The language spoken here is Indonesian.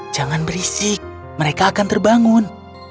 jangan berisik mereka akan terbangun